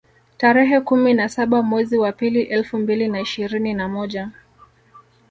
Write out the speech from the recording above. Tarehe kumi na saba mwezi wa pili elfu mbili na ishirini na moja